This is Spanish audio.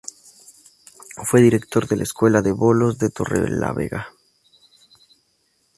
Fue director de la Escuela de Bolos de Torrelavega.